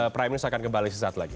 prime news akan kembali sesaat lagi